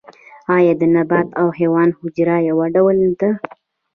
ایا د نبات او حیوان حجره یو ډول ده